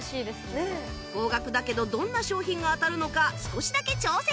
高額だけどどんな商品が当たるのか少しだけ挑戦